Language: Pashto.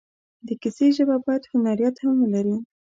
د کیسې ژبه باید هنریت هم ولري.